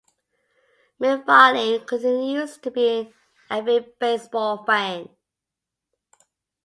McFarlane continues to be an avid baseball fan.